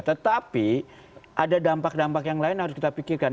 tetapi ada dampak dampak yang lain harus kita pikirkan